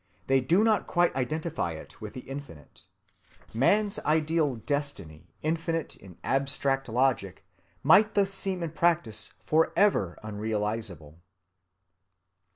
They do not quite identify it with the Infinite. Man's ideal destiny, infinite in abstract logic, might thus seem in practice forever unrealizable.